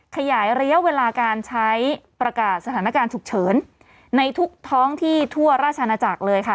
ขยายระยะเวลาการใช้ประกาศสถานการณ์ฉุกเฉินในทุกท้องที่ทั่วราชนาจักรเลยค่ะ